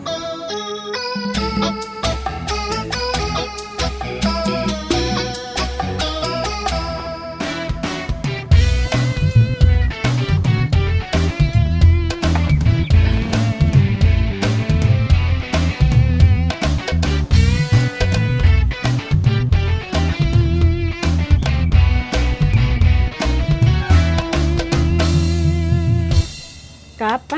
badi young lalu nyerah